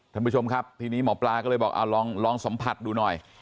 ท่านผู้ชมครับทีนี้หมอปลาก็เลยบอกลองสัมผัสดูหน่อย